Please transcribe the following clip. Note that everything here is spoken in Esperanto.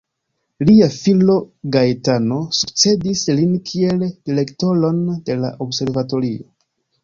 Lia filo, Gaetano, sukcedis lin kiel direktoron de la observatorio.